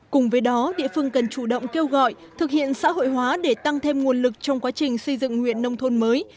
cùng với đó địa phương cần chủ động kêu gọi thực hiện xã hội hóa để tăng thêm nguồn lực trong quá trình xây dựng huyện nông thôn mới